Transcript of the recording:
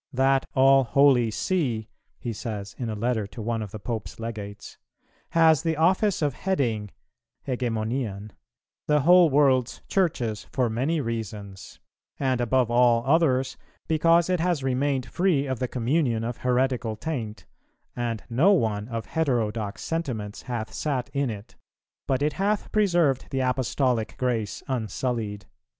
"That all holy See," he says in a letter to one of the Pope's Legates, "has the office of heading (ἡγεμονίαν) the whole world's Churches for many reasons; and above all others, because it has remained free of the communion of heretical taint, and no one of heterodox sentiments hath sat in it, but it hath preserved the Apostolic grace unsullied."